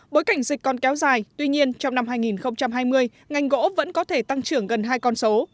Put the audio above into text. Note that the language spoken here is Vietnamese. bối cảnh dịch còn kéo dài tuy nhiên trong năm hai nghìn hai mươi ngành gỗ vẫn có thể tăng trưởng gần hai con số